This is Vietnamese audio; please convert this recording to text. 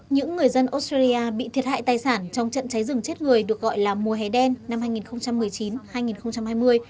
những người dân australia bị thiệt hại tài sản trong trận cháy rừng chết người được gọi là mùa hè đen năm hai nghìn một mươi chín hai nghìn hai mươi